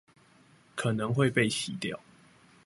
可能會被洗掉